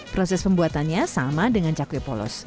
proses pembuatannya sama dengan cakwe polos